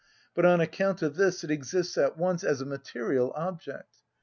But on account of this it exists at once as a material object.